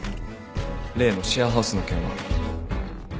例のシェアハウスの件は。